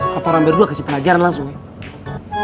kapal rambir dulu kasih pelajaran langsung ya